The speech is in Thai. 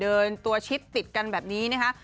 เดินตัวชิ้นติดกันแบบนี้นะฮะ